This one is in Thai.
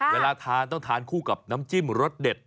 เวลาทานต้องทานคู่กับน้ำจิ้มรสเด็ด